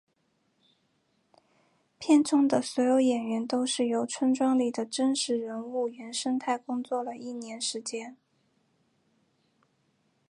片中的所有演员都是由村庄里的真实人物原生态工作了一年时间。